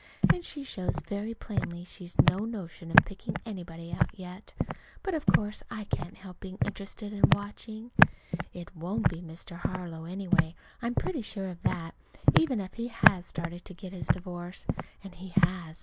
And she shows very plainly she's no notion of picking anybody out yet. But of course I can't help being interested and watching. It won't be Mr. Harlow, anyway. I'm pretty sure of that, even if he has started in to get his divorce. (And he has.